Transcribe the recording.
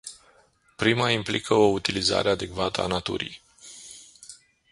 Prima implică o utilizare adecvată a naturii.